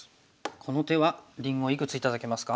この手はりんごいくつ頂けますか？